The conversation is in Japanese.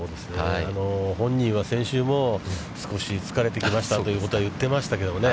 本人は先週も少し疲れてきましたということは言ってましたけどもね。